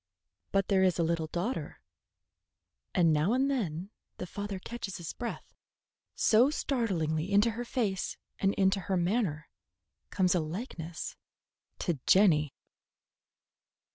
But there is a little daughter, and now and then the father catches his breath, so startlingly into her face and into her manner comes a likeness to Jenny.